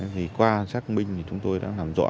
vì qua xác minh chúng tôi đã làm rõ